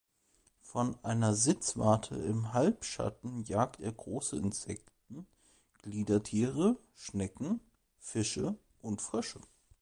Von einer Sitzwarte im Halbschatten jagt er große Insekten, Gliedertiere, Schnecken, Fische und Frösche.